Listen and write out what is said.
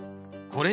これ？